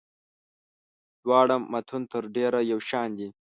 دواړه متون تر ډېره یو شان دي.